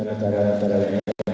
dan saya tidak ada